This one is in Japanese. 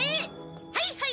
はいはい！